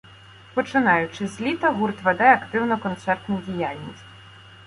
Починаючи з літа гурт веде активну концертну діяльність.